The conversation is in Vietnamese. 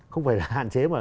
không phải là hạn chế mà